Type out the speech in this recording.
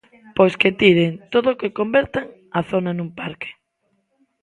Pois que tiren todo e que convertan a zona nun parque.